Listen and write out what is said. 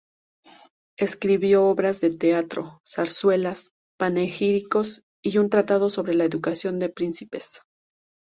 Escribió obras de teatro, zarzuelas, panegíricos y un tratado sobre la educación de príncipes.